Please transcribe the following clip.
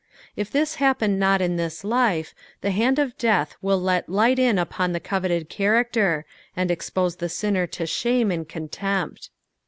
If this happen not in this life, the hand of death will let tight m upon the coveted charw:ter, and e:cpose the sinner to shame and contempt.